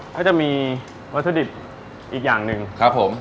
ก็จะมีวัตถุดิบอีกอย่างหนึ่งครับผม